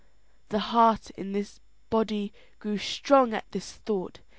The heart in his body grew strong at this thought.